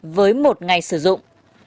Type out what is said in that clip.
với một ngày sử dụng